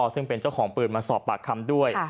ซึ่งเป็นเจ้าของปืนมาสอบปากคำด้วย